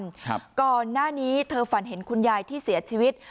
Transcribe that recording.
ครับก่อนหน้านี้เธอฝันเห็นคุณยายที่เสียชีวิต